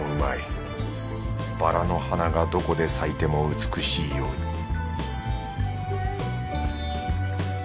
バラの花がどこで咲いても美しいように